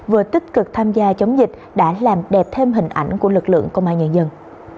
vừa tích cực tham gia chống dịch đã làm đẹp thêm hình ảnh của lực lượng công an nhân dân